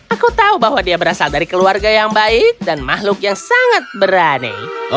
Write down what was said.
aku tahu bahwa dia berasal dari keluarga yang baik dan makhluk yang sangat berani